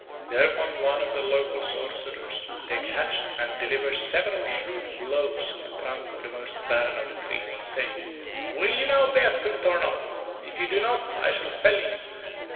Thereupon one of the local sorcerers would take a hatchet and deliver several shrewd blows on the trunk of the most barren of the trees, saying, "Will you now bear fruit or not? If you do not, I shall fell you."